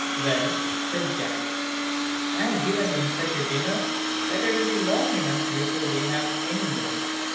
"Well," said Jack, "I have given them such a dinner, that it will be long enough before they have any more."